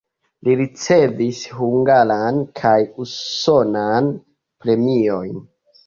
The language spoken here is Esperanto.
Li ricevis hungaran kaj usonan premiojn.